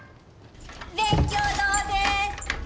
勉強堂です！